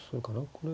これ。